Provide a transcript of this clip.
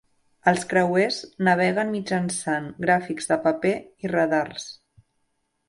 Els creuers naveguen mitjançant gràfics de paper i radars.